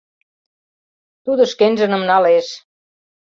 Тудо шкенжыным налеш.